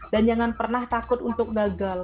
dan jangan pernah takut untuk gagal